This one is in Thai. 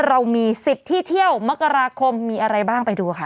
เรามี๑๐ที่เที่ยวมกราคมมีอะไรบ้างไปดูค่ะ